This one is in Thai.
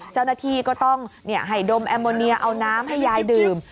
เจ้าหน้าที่ก็ต้องให้ดมแอมโมเนียเอาน้ำให้ยายดื่ม